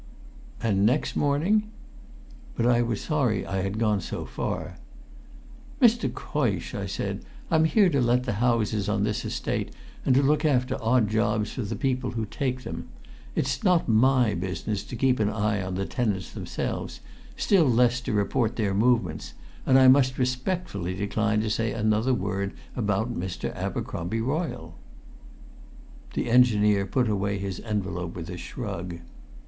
"And next morning?" But I was sorry I had gone so far. "Mr. Coysh," I said, "I'm here to let the houses on this Estate, and to look after odd jobs for the people who take them. It's not my business to keep an eye on the tenants themselves, still less to report their movements, and I must respectfully decline to say another word about Mr. Abercromby Royle." The engineer put away his envelope with a shrug.